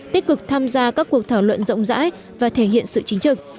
tích cực tham gia các cuộc thảo luận rộng rãi và thể hiện sự chính trực